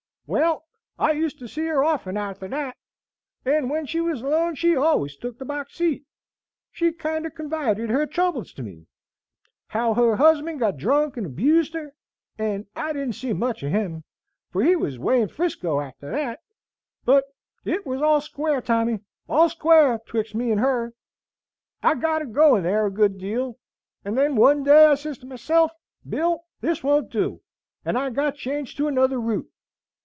"Well, I used to see her often arter thet, and when she was alone she allus took the box seat. She kinder confided her troubles to me, how her husband got drunk and abused her; and I didn't see much o' him, for he was away in 'Frisco arter thet. But it was all square, Tommy, all square 'twixt me and her. "I got a going there a good deal, and then one day I sez to myself, 'Bill, this won't do,' and I got changed to another route.